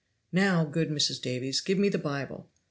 "Now, good Mrs. Davies, give me the Bible.